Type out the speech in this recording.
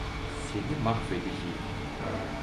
Seni mahvedeceğim!